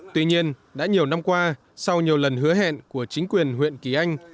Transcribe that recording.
tuy nhiên đã nhiều năm qua sau nhiều lần hứa hẹn của chính quyền huyện kỳ anh